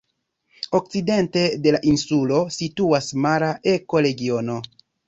Okcidente de la insulo situas mara ekoregiono.